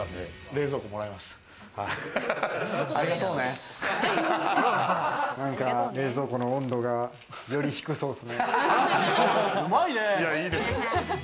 冷蔵庫の温度がより低そうっすね。